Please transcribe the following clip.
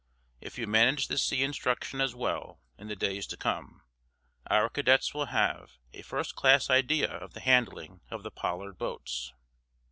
If you manage the sea instruction as well, in the days to come, our cadets will have a first class idea of the handling of the Pollard boats."